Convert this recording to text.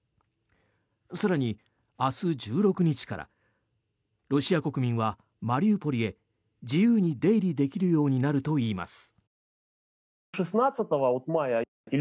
更に、明日１６日からロシア国民はマリウポリへ自由に出入りできるようになるといいます。